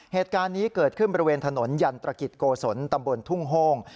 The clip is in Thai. เหตุการณ์นี้เกิดขึ้นบริเวณถนนยันตรกิจโกศลตำบลทุ่งโห้ง